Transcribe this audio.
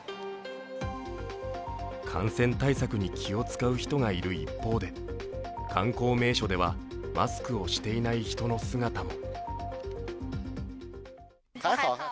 感染対策に気を遣う人がいる一方で、観光名所ではマスクをしていない人の姿も。